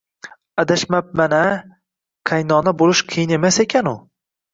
Adashmabman-a, qaynona bo`lish qiyin emas ekan-u